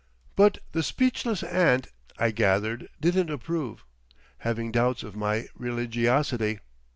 But the speechless aunt, I gathered, didn't approve—having doubts of my religiosity.